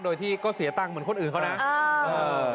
โดยที่ก็เสียตั้งเหมือนคนอื่นของภลาย